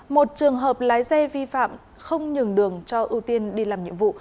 một trường hợp lái xe vi phạm không nhường đường cho ưu tiên đi làm nhiệm vụ